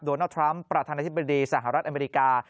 โดนัลดทรัมป์ประธานาธิบดีสหรัฐอเมริกา